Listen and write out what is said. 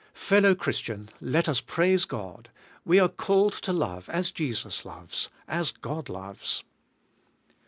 Fellow Christian, let us praise God ! We are called to love as Jesus loves, as God loves.